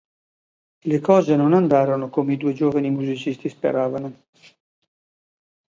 Le cose non andarono come i due giovani musicisti speravano.